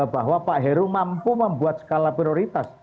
bahwa pak heru mampu membuat skala prioritas